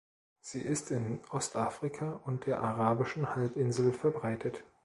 Sie ist in Ostafrika und der arabischen Halbinsel verbreitet.